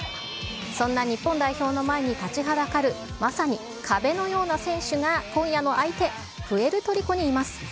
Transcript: そんな日本代表の前に立ちはだかるまさに壁のような選手が今夜の相手、プエルトリコにいます。